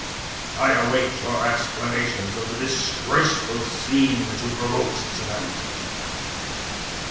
"I await your explanations of the disgraceful scene you provoked to night."